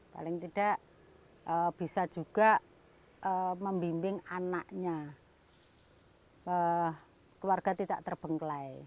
paling tidak bisa juga membimbing anaknya keluarga tidak terbengkelai